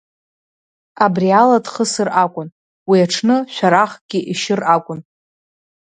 Абриала дхысыр акәын, уи аҽны шәарахкгьы ишьыр акәын.